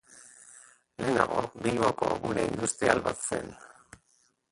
Lehenago, Bilboko gune industrial bat zen.